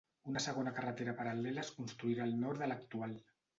Una segona carretera paral·lela es construirà al nord de l'actual.